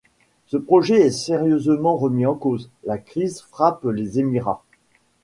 Ce projet est sérieusement remis en cause, la crise frappe les Émirats.